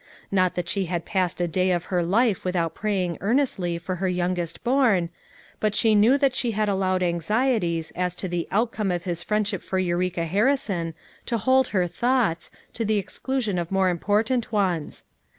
Not that she had passed a day of her life without praying earnestly for her youngest born, but she knew that she had allowed anxieties as to the outcome of his friendship for Eureka Harrison to hold her thoughts, to the exclusion of more important ones.